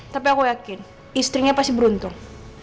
tapi aku yakin istrinya pasti beruntung